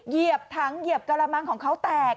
เหยียบถังเหยียบกระมังของเขาแตก